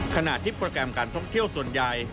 ขณะที่โปรแกรมการท่องเที่ยวส่วนใหญ่